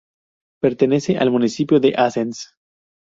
Pertenece al municipio de Assens.